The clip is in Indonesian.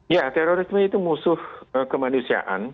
ya terorisme itu musuh kemanusiaan